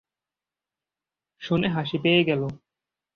শুনে হাসি পেয়ে গেলো।